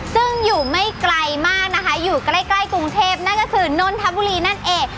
ซึ่งอยู่ไม่ไกลมากนะคะอยู่ใกล้กรุงเทพนั่นก็คือนนทบุรีนั่นเอง